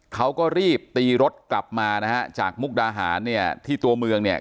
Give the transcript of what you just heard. เขาก็รีบตีรถกลับมานะฮะจากมุกดาหารเนี่ยที่ตัวเมืองเนี่ย